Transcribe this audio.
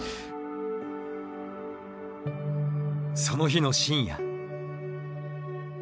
その日の深夜。